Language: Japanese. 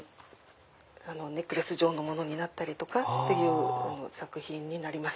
ネックレス状になったりとかって作品になります。